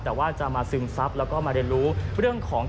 แต่ว่าจะมาซึมทรัพย์และและได้รู้เรื่องของ